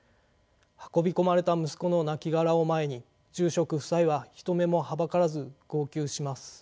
運び込まれた息子のなきがらを前に住職夫妻は人目もはばからず号泣します。